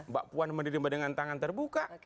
mbak puan menerima dengan tangan terbuka